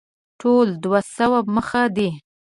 ټول دوه سوه مخه دی.